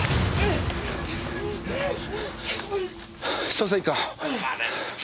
捜査一課を。